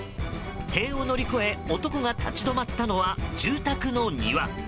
塀を乗り越え男が立ち止まったのは住宅の庭。